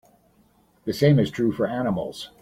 The same is true for animals.